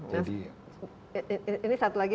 jadi ini satu lagi